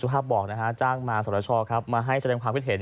สมมติว่าสมบัติฟิภาพมาให้แสดงความคิดเห็น